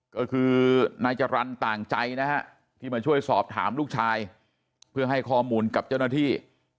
ก็คือนายจรรย์ต่างใจนะฮะที่มาช่วยสอบถามลูกชายเพื่อให้ข้อมูลกับเจ้าหน้าที่